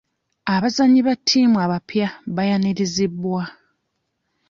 Abazannyi ba ttiimu abapya baayanirizibwa.